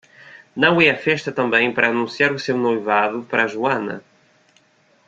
Não é a festa também para anunciar o seu noivado para Joanna?